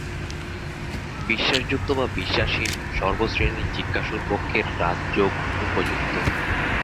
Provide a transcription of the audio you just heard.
বিশ্বাসযুক্ত বা বিশ্বাসহীন সর্ব শ্রেণীর জিজ্ঞাসুর পক্ষে রাজযোগ উপযুক্ত।